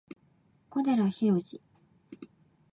小寺浩二